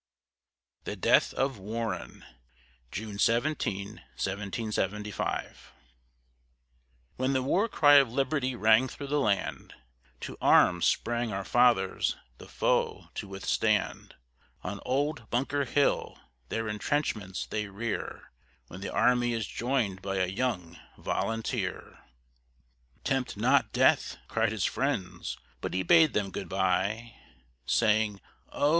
THE DEATH OF WARREN [June 17, 1775] When the war cry of Liberty rang through the land, To arms sprang our fathers the foe to withstand; On old Bunker Hill their entrenchments they rear, When the army is joined by a young volunteer. "Tempt not death!" cried his friends; but he bade them good by, Saying, "Oh!